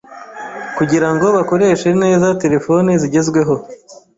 kugira ngo bakoreshe neza terefone zigezweho.